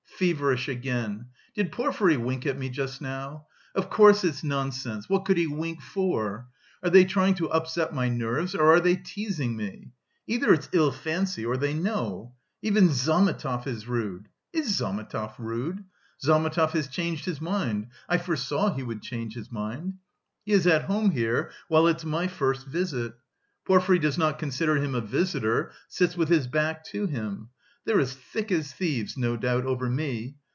Feverish again! Did Porfiry wink at me just now? Of course it's nonsense! What could he wink for? Are they trying to upset my nerves or are they teasing me? Either it's ill fancy or they know! Even Zametov is rude.... Is Zametov rude? Zametov has changed his mind. I foresaw he would change his mind! He is at home here, while it's my first visit. Porfiry does not consider him a visitor; sits with his back to him. They're as thick as thieves, no doubt, over me!